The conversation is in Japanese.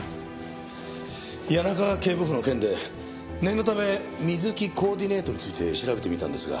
谷中警部補の件で念のためＭＩＺＵＫＩコーディネートについて調べてみたんですが。